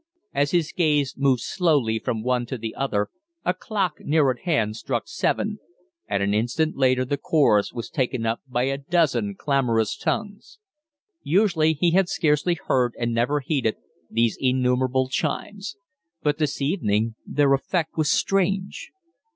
As his gaze moved slowly from one to the other a clock near at hand struck seven, and an instant later the chorus was taken up by a dozen clamorous tongues. Usually he scarcely heard, and never heeded, these innumerable chimes; but this evening their effect was strange.